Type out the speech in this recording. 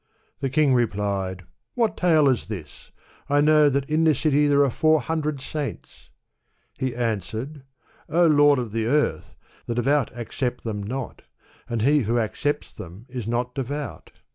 The king replied, ''What tale is this? I know that in this city there are four hundred saints." He an swered, " O Lord of the earth ! the devout accept them not, and he who accepts them is not devout."